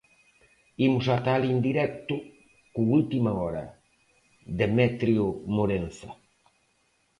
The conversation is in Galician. Imos ata alí en directo co última hora, Demetrio Morenza.